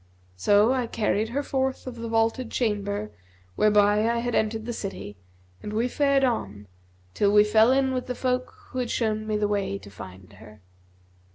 So I carried her forth of the vaulted chamber whereby I had entered the city and we fared on, till we fell in with the folk who had shown me the way to find her."